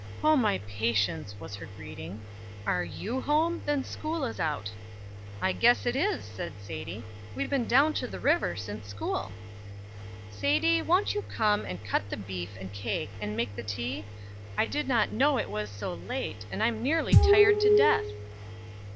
"O, my patience!" was her greeting. "Are you home? Then school is out". "I guess it is," said Sadie. "We've been down to the river since school." "Sadie, won't you come and cut the beef and cake, and make the tea? I did not know it was so late, and I'm nearly tired to death."